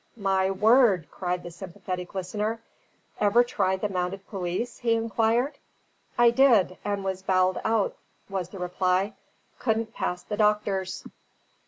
"My word!" cried the sympathetic listener. "Ever try the mounted police?" he inquired. "I did, and was bowled out," was the reply; "couldn't pass the doctors."